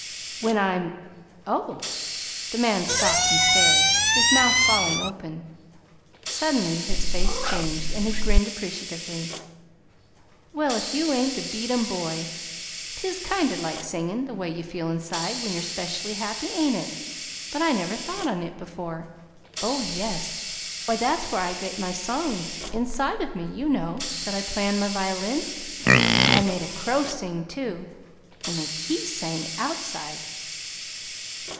"When I'm oh!" The man stopped and stared, his mouth falling open. Suddenly his face changed, and he grinned appreciatively. "Well, if you ain't the beat 'em, boy! 'T is kinder like singin' the way ye feel inside, when yer 'specially happy, ain't it? But I never thought of it before." "Oh, yes. Why, that's where I get my songs inside of me, you know that I play on my violin. And I made a crow sing, too. Only HE sang outside."